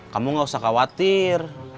kamu gak usah khawatir